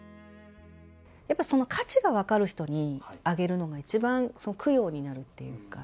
やっぱり価値が分かる人にあげるのが一番、供養になるっていうか。